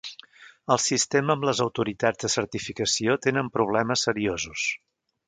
El sistema amb les autoritats de certificació tenen problemes seriosos.